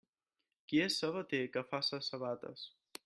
Qui és sabater que faça sabates.